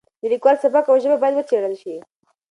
د لیکوالو سبک او ژبه باید وڅېړل شي.